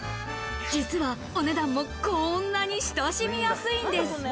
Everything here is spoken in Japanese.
実はお値段もこんなに親しみやすいんです。